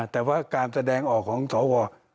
แต่ว่าการแสดงออกของสว